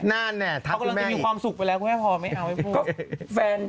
เขาก็จะมีความสุขไปแล้วคุณแม่พอไม่เอาไม่พูด